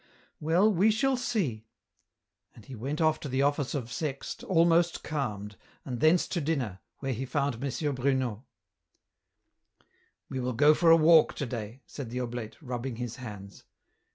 " Well, we shall see !" and he went off to the oflSce of Sext almost calmed, and thence to dinner, where he found M. Bruno. " We will go for a walk to day," said the oblate, rubbing his hands.